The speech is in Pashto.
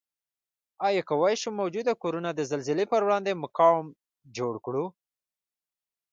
آیا کوای شو موجوده کورنه د زلزلې پروړاندې مقاوم جوړ کړو؟